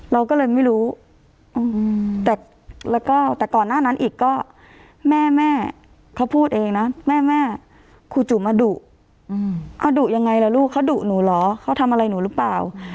เราก็เลยไม่รู้แต่แล้วก็แต่ก่อนหน้านั้นอีกก็แม่แม่เขาพูดเองนะแม่แม่ครูจุ๋มาดุเอาดุยังไงล่ะลูกเขาดุหนูเหรอเขาทำอะไรหนูหรือเปล่า